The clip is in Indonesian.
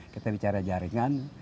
kita bicara jaringan